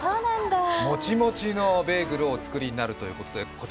もちもちのベーグルをお作りになるということで。